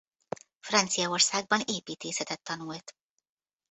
Franciaországban építészetet tanult.